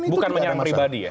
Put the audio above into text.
bukan menyerang pribadi ya